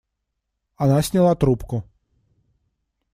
Она сняла трубку.